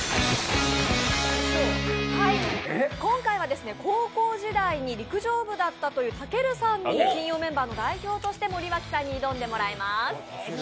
今回は高校時代に陸上部だったというたけるさんに金曜メンバーの代表として森脇さんに挑んでいただきます。